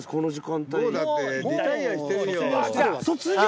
卒業？